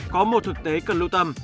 có một thực tế cần lưu tâm